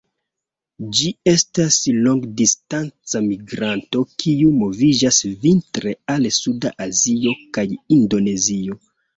Ĝi estas longdistanca migranto kiu moviĝas vintre al suda Azio kaj Indonezio.